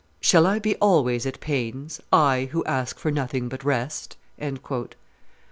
"Shall I be always at pains, I who ask for nothing but rest?"